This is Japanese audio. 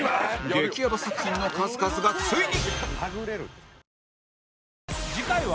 激やば作品の数々がついに